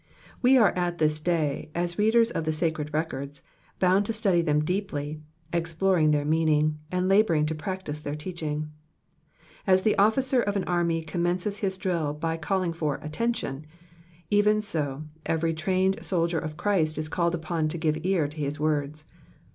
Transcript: We are at this day, as readers of the sacred records, bound to study them deeply, exploring their meaniug, and labouring to practise their teacliing. As the ofhcer of an army commences his drill by calling for Attention/' even so every trained soldier of,C!irist is called ai>on to give ear to his words.